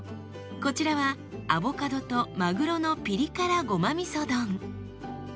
こちらはアボカドとまぐろのピリ辛ごまみそ丼。